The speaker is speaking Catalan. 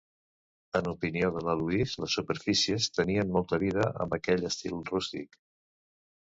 En opinió de la Louise, les superfícies tenien molta vida amb aquell estil rústic.